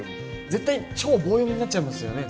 絶対超棒読みになっちゃいますよね